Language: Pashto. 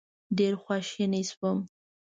ډېر خواشینی شوم.